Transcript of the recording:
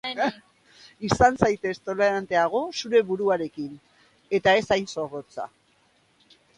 Izan zaitez toleranteagoa zure buruarekin, eta ez hain zorrotza.